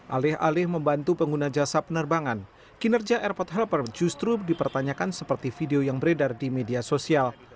alih alih membantu pengguna jasa penerbangan kinerja airport helper justru dipertanyakan seperti video yang beredar di media sosial